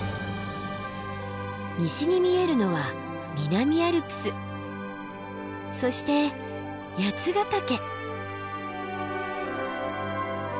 西に見えるのは南アルプスそして八ヶ岳。